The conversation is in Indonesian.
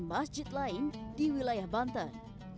masjid lain di wilayah banten